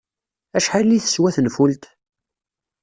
Acḥal ay teswa tenfult?